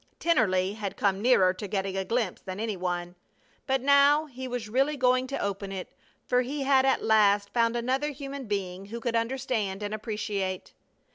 Tennelly had come nearer to getting a glimpse than any one. But now he was really going to open it, for he had at last found another human being who could understand and appreciate.